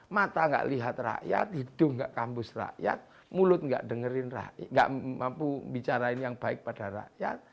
mata enggak lihat rakyat hidung enggak kampus rakyat mulut enggak dengerin rakyat enggak mampu bicara yang baik pada rakyat